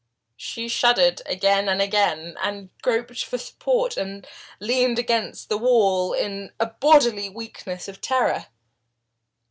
She shuddered again and again, and groped for support and leaned against the wall in a bodily weakness of terror.